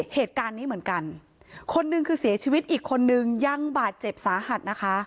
เหตุการณ์นี้เหมือนกันคนหนึ่งคือเสียชีวิตอีกคนนึงยังบาดเจ็บสาหัสนะคะ